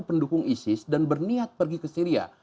pendukung isis dan berniat pergi ke syria